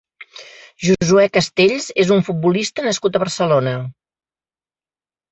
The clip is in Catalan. Josué Castells és un futbolista nascut a Barcelona.